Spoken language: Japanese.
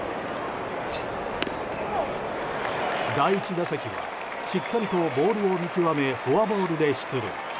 第１打席はしっかりとボールを見極めフォアボールで出塁。